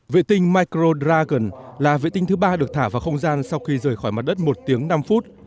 vệ tinh micro dragon là vệ tinh thứ ba được thả vào không gian sau khi rời khỏi mặt đất một tiếng năm phút